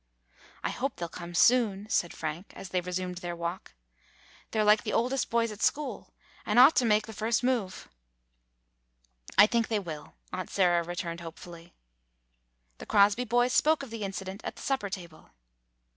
"I hope they 'll come soon," said Frank, as they resumed their walk. "They 're like the oldest boys at school, and ought to make the first move." "I think they will," Aunt Sarah returned hopefully. The Crosby boys spoke of the incident at the supper table.